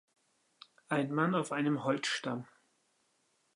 Ein Mann auf einem Holzstamm.